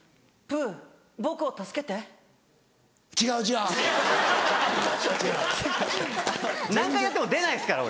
あの何回やっても出ないですから俺。